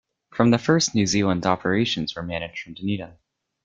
From the first New Zealand operations were managed from Dunedin.